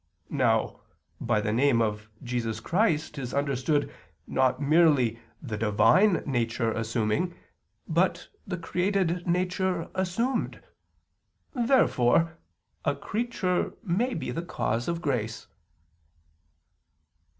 Now, by the name of Jesus Christ is understood not merely the Divine Nature assuming, but the created nature assumed. Therefore a creature may be the cause of grace.